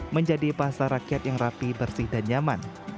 menjadi pasar rakyat yang rapi bersih dan nyaman